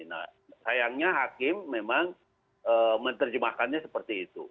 nah sayangnya hakim memang menerjemahkannya seperti itu